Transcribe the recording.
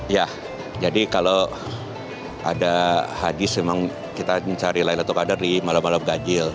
ya jadi kalau ada hadis memang kita mencari laylatul qadar di malam malam ganjil